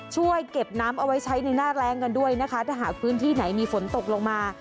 ช่วยเก็บน้ำเอาไว้ใช้ในหน้าแรงกันด้วยนะคะถ้าหากพื้นที่ไหนมีฝนตกลงมา